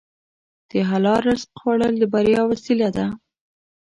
د حلال رزق خوړل د بریا وسیله ده.